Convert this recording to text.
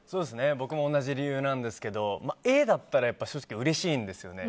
僕も同じ理由なんですけどＡだったら正直うれしいんですよね。